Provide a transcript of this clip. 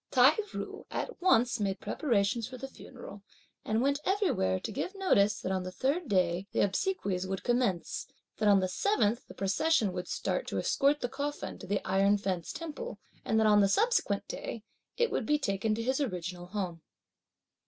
Tai ju at once made preparations for the funeral and went everywhere to give notice that on the third day the obsequies would commence, that on the seventh the procession would start to escort the coffin to the Iron Fence Temple, and that on the subsequent day, it would be taken to his original home.